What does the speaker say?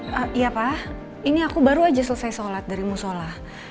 iya pak ini aku baru aja selesai sholat dari musola